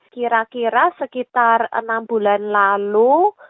kira kira sekitar enam bulan lalu